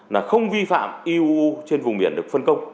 là không vi phạm eu trên vùng biển được phân công